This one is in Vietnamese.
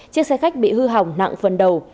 chiếc xe khách bị hư hỏng nặng phần đầu